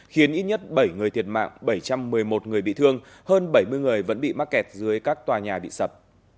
khiến ít nhất bảy người thiệt mạng bảy trăm một mươi một người bị thương hơn bảy mươi người vẫn bị mắc kẹt dưới các tòa nhà bị sập